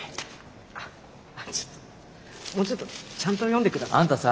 あっちょっともうちょっとちゃんと読んでください。